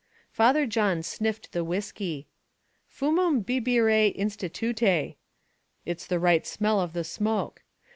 Father John sniffed the whiskey. "'Fumum bibere institutæ;' it's the right smell of the smoke.